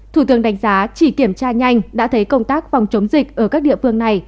thủ tướng đánh giá chỉ kiểm tra nhanh đã thấy công tác phòng chống dịch ở các địa phương này